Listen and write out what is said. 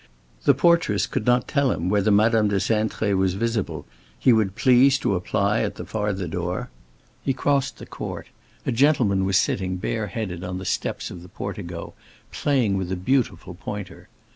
The portress could not tell him whether Madame de Cintré was visible; he would please to apply at the farther door. He crossed the court; a gentleman was sitting, bareheaded, on the steps of the portico, playing with a beautiful pointer.